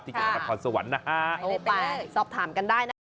ที่อย่างละครสวรรค์นะฮะสอบถามกันได้นะ